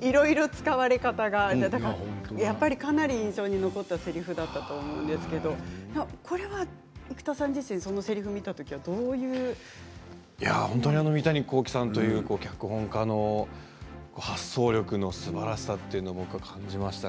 いろいろ使われ方がやっぱり、かなり印象に残ったせりふだと思うんですけど生田さん自身本当に三谷幸喜さんという脚本家の発想力のすばらしさというのを感じましたね。